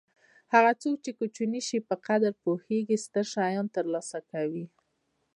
هغه څوک چې د کوچني شي په قدر پوهېږي ستر شیان ترلاسه کوي.